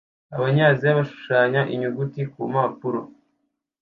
Abanyaziya bashushanya inyuguti kumpapuro